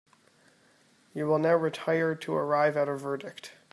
You will now retire to arrive at a verdict.